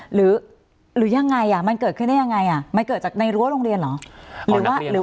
หรือยังไงมันเกิดขึ้นได้ยังไงมันเกิดจากในรั้วโรงเรียนเหรอ